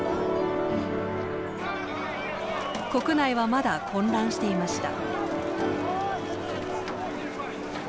国内はまだ混乱していました。